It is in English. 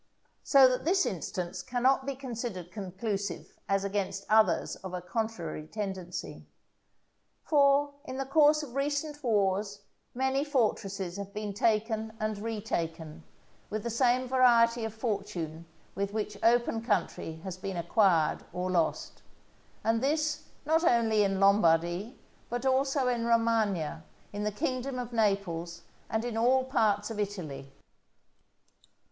So that this instance cannot be considered conclusive as against others of a contrary tendency. For, in the course of recent wars, many fortresses have been taken and retaken, with the same variety of fortune with which open country has been acquired or lost; and this not only in Lombardy, but also in Romagna, in the kingdom of Naples, and in all parts of Italy.